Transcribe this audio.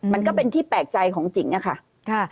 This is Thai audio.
มันก็เป็นที่แปลกใจของจิ๋งอะค่ะ